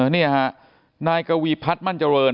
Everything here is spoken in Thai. นี่ฮะนายกวีพัฒน์มั่นเจริญ